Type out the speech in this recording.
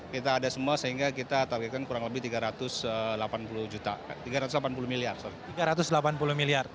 kita ada semua sehingga kita targetkan kurang lebih tiga ratus delapan puluh miliar sorry